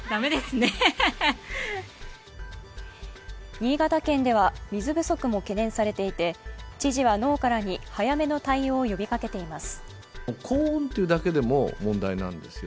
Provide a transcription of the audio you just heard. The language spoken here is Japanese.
新潟県では水不足も懸念されていて知事は農家らに早めの対応を呼びかけています。